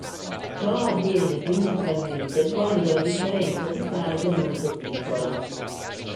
Ciò avviene principalmente quando la differenza di fase è molto piccola.